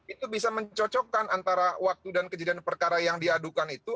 itu bisa mencocokkan antara waktu dan kejadian perkara yang diadukan itu